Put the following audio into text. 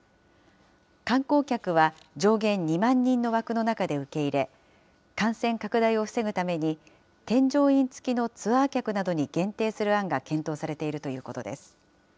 観光客は上限２万人の枠の中で受け入れ、感染拡大を防ぐために、添乗員付きのツアー客などに限定する案が検討されているということです。